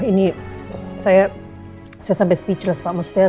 ini saya sampai speechless pak mustiar